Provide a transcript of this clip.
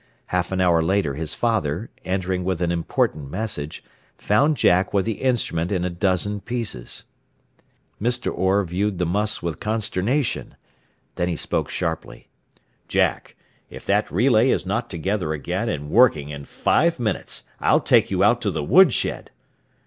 Half an hour later his father, entering with an important message, found Jack with the instrument in a dozen pieces. Mr. Orr viewed the muss with consternation. Then he spoke sharply. "Jack, if that relay is not together again, and working, in five minutes, I'll take you out to the woodshed!"